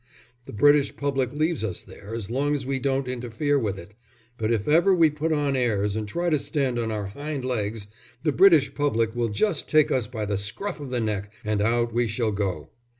The British public leaves us there as long as we don't interfere with it, but if ever we put on airs and try to stand on our hind legs, the British public will just take us by the scruff of the neck and out we shall go.